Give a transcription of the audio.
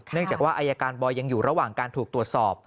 เนื่องจากว่าอายการบอยยังอยู่ระหว่างการถูกตรวจสอบ